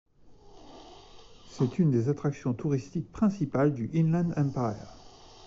C'est une des attractions touristiques principales du Inland Empire.